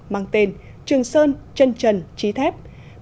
mang tên trường sơn trân trần trí thép